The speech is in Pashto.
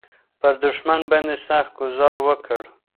پر دښمن باندې سخت ګوزار وکړه.